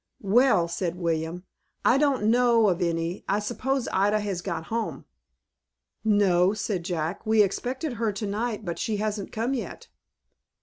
"Well," said William, "I don't know of any. I suppose Ida has got home." "No," said Jack, "we expected her to night, but she hasn't come yet."